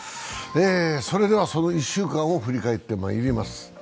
それでは、その１週間を振り返ってまいります。